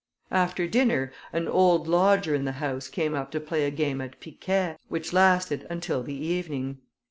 After dinner, an old lodger in the house came up to play a game at piquet, which lasted until the evening.